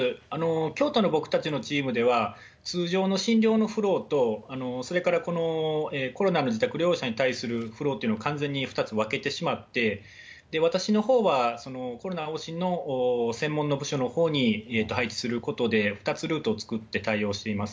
京都の僕たちのチームでは、通常の診療のフローと、それからこのコロナの自宅療養者に対するフローというのを完全に２つ分けてしまって、私のほうはそのコロナ往診の専門の部署のほうに配置することで、２つルートを作って対応しています。